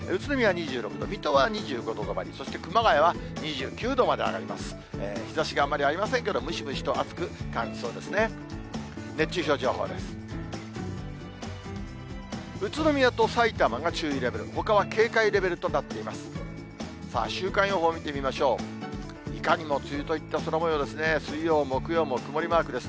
宇都宮とさいたまが注意レベル、ほかは警戒レベルとなっています。